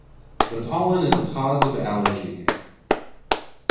The pollen is a cause of allergy.